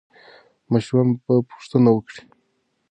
ماشومان به پوښتنې وکړي.